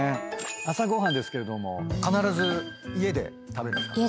朝ご飯ですけれども必ず家で食べるんですか？